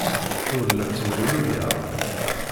Ur la ttemlelluyeɣ.